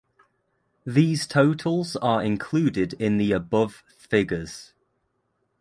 These totals are included in the above figures.